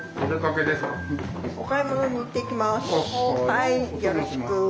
はいよろしく。